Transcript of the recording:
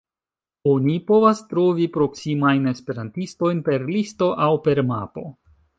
Oni povas trovi proksimajn esperantistojn per listo aŭ per mapo.